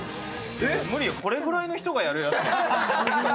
無理よ、これぐらいの人がやるやつ。